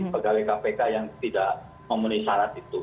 pegawai kpk yang tidak memenuhi syarat itu